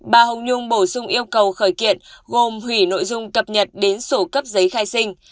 bà hồng nhung bổ sung yêu cầu khởi kiện gồm hủy nội dung cập nhật đến sổ cấp giấy khai sinh